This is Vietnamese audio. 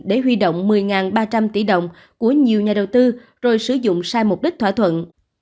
để huy động một mươi ba trăm linh tỷ đồng của nhiều nhà đầu tư rồi sử dụng sai mục đích thỏa thuận